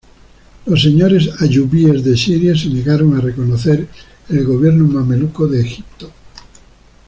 Los señores ayubíes de Siria se negaron a reconocer el gobierno mameluco de Egipto.